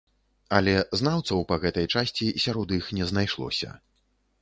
Але знаўцаў па гэтай часці сярод іх не знайшлося.